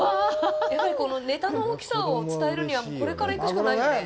やっぱりこのネタの大きさを伝えるにはこれから行くしかないよね。